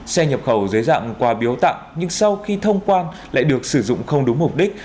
xe nhập khẩu dưới dạng quà biếu tặng nhưng sau khi thông quan lại được sử dụng không đúng mục đích